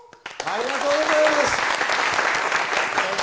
ありがとうございます！